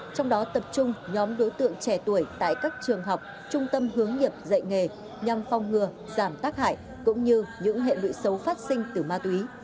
trong đó tập trung nhóm đối tượng trẻ tuổi tại các trường học trung tâm hướng nghiệp dạy nghề nhằm phong ngừa giảm tác hại cũng như những hệ lụy xấu phát sinh từ ma túy